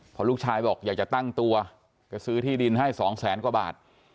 พอลูกชายบอกอยากจะตั้งตัวจะซื้อที่ดินให้๒แสนกว่าบาท